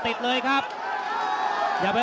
ตอนนี้มันถึง๓